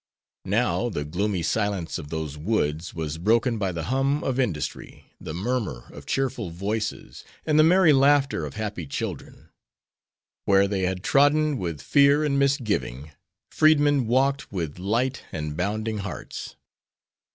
Now the gloomy silence of those woods was broken by the hum of industry, the murmur of cheerful voices, and the merry laughter of happy children. Where they had trodden with fear and misgiving, freedmen walked with light and bounding hearts.